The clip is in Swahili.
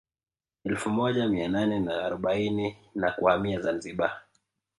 Elfu moja mia nane na arobaini na kuhamia Zanzibar